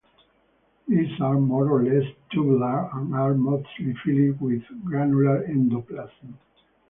These are more or less tubular and are mostly filled with granular endoplasm.